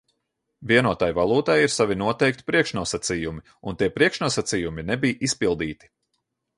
Vienotai valūtai ir savi noteikti priekšnosacījumi, un tie priekšnosacījumi nebija izpildīti.